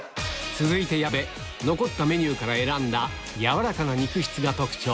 続いて矢部残ったメニューから選んだ軟らかな肉質が特徴